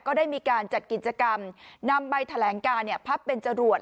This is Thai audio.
ก็ได้มีการจัดกิจกรรมนำใบแถลงการพับเป็นจรวด